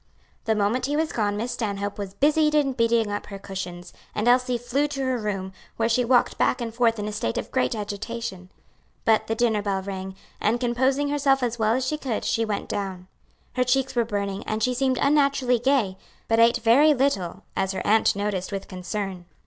The moment he was gone Miss Stanhope was busied in beating up her cushions, and Elsie flew to her room, where she walked back and forth in a state of great agitation. But the dinner bell rang, and composing herself as well as she could, she went down. Her cheeks were burning, and she seemed unnaturally gay, but ate very little as her aunt noticed with concern.